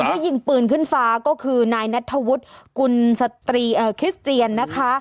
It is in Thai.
ที่ยิงปืนขึ้นฟ้าก็คือนายนัทธวุฒิกุลสตรีคริสเตียนนะคะ